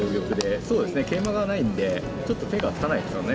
そうですね桂馬がないんでちょっと手がつかないですよね。